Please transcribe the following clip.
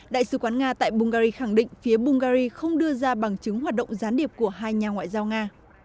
đại sứ quán nga tại bungary khẳng định phía bungary không đưa ra bằng chứng hoạt động gián điệp của hai nhà ngoại giao nga